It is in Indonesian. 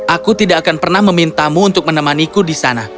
aku tidak akan pernah memintamu untuk menemaniku di sana